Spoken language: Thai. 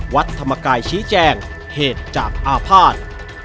วัดธรรมกายชี้แจงเหตุจากอาภาษณ์